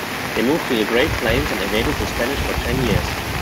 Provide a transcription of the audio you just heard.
They moved to the Great Plains and evaded the Spanish for ten years.